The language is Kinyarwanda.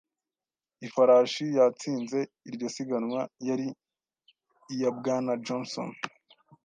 Ifarashi yatsinze iryo siganwa yari iya Bwana Johnson.